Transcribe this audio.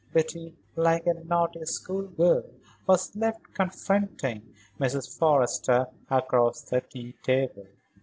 Betty, like a naughty school girl, was left confronting Mrs. Forrester across the tea table.